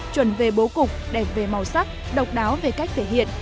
chuẩn về bố cục đẹp về màu sắc độc đáo về cách thể hiện